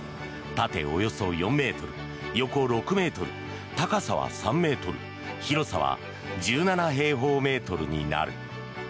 縦およそ４ｍ、横６ｍ高さは３ｍ広さは１７平方メートルになる。